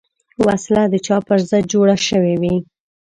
وسله د چا پر ضد جوړه شوې وي